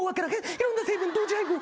いろんな成分同時配合。